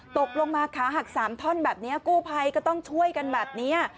ตกลงมาขาหัก๓ท่อนแบบนี้กู้ภัยก็ต้องช่วยกันแบบนี้